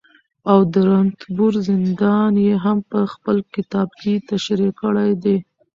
او د رنتبور زندان يې هم په خپل کتابکې تشريح کړى دي